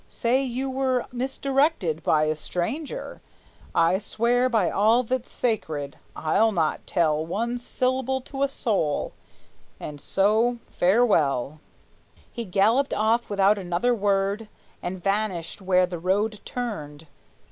Say you were misdirected by a stranger; I swear by all that's sacred, I'll not tell One syllable to a soul: and so farewell!" He galloped off without another word, And vanished where the road turned.